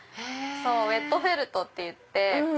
ウエットフェルトっていって。